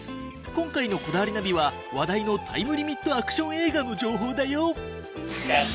今回の『こだわりナビ』は話題のタイムリミットアクション映画の情報だよ。